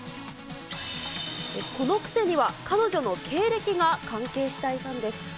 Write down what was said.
この癖には、彼女の経歴が関係していたんです。